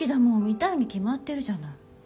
見たいに決まってるじゃない。